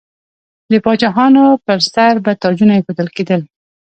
د پاچاهانو پر سر به تاجونه ایښودل کیدل.